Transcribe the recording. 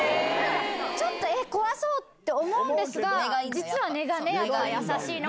ちょっと、えっ、怖そうって思うんですが、実は根が優しいのが。